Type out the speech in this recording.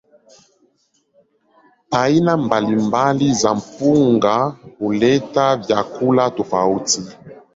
Aina mbalimbali za mpunga huleta vyakula tofauti.